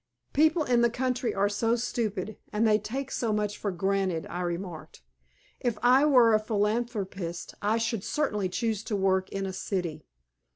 "People in the country are so stupid, and they take so much for granted," I remarked. "If I were a philanthropist, I should certainly choose to work in a city."